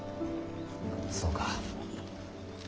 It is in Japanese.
そうか。